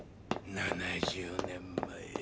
７０年前。